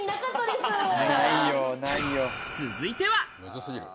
続いては。